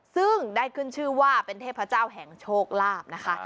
ซึ่งได้ขึ้นชื่อว่าเป็นเทพเจ้าแห่งโชคลาภนะคะ